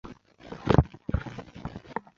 是该国唯一一个总教区。